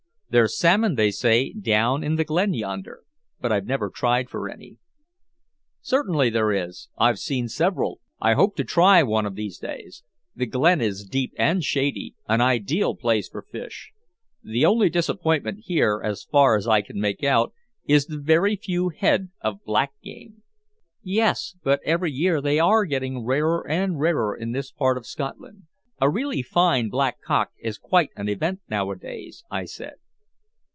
There's salmon, they say, down in the Glen yonder but I've never tried for any." "Certainly there is. I've seen several. I hope to try one of these days. The Glen is deep and shady an ideal place for fish. The only disappointment here, as far as I can make out, is the very few head of black game." "Yes, but every year they are getting rarer and rarer in this part of Scotland. A really fine black cock is quite an event nowadays," I said.